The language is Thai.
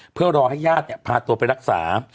เพื่อรอให้ญาติพาตัวไปรักษา